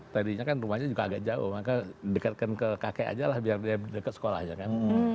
tadinya kan rumahnya juga agak jauh maka dekatkan ke kakek aja lah biar dia deket sekolah aja kan